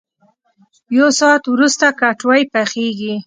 یو ساعت ورست کټوۍ پخېږي.